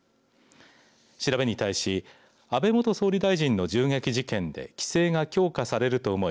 調べに対し安倍元総理大臣の銃撃事件で規制が強化されると思い